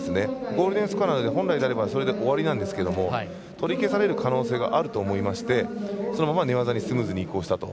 ゴールデンスコアなので本来であればそれで終わりなんですけど取り消される可能性があると思いましてそのまま寝技にスムーズに移行したと。